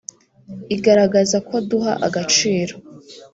igaragaza ko duha agaciro